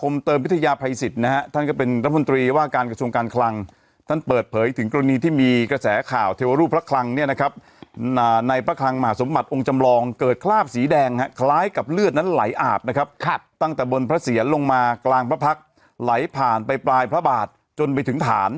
มันมีการผูบไปถึงโหมงโหนไปถึง